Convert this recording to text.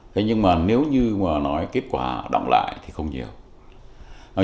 thế nhưng mà nếu như mà nói kết quả động lại thì không nhiều